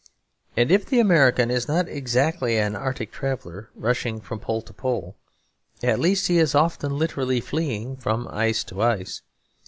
And if the American is not exactly an arctic traveller rushing from pole to pole, at least he is often literally fleeing from ice to ice.